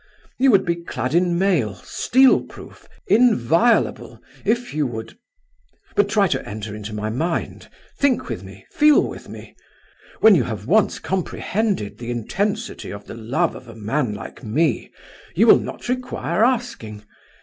You would be clad in mail, steel proof, inviolable, if you would ... But try to enter into my mind; think with me, feel with me. When you have once comprehended the intensity of the love of a man like me, you will not require asking.